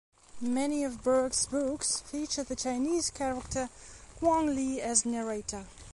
Many of Burke's books feature the Chinese character Quong Lee as narrator.